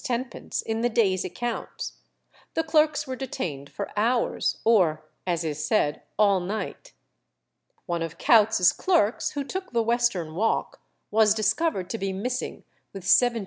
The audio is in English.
10d. in the day's accounts, the clerks were detained for hours, or, as is said, all night. One of Coutts's clerks, who took the western walk, was discovered to be missing with £17,000.